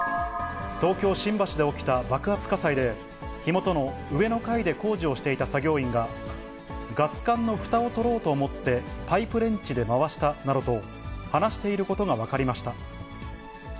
東京・新橋で起きた爆発火災で、火元の上の階で工事をしていた作業員が、ガス管のふたを取ろうと思ってパイプレンチで回したなどと話していることが分かりました。